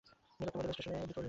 নিকটতম রেলস্টেশনটি ঋষিকেশ।